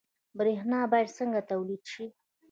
برښنا باید څنګه تولید شي؟